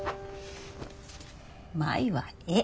舞はええ。